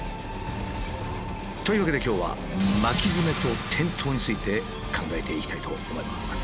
というわけで今日は巻きヅメと転倒について考えていきたいと思います。